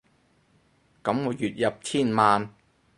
噉我月入千萬